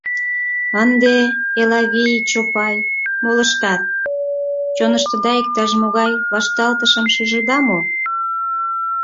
Ынде, Элавий, Чопай, молыштат, чоныштыда иктаж-могай вашталтышым шижыда мо?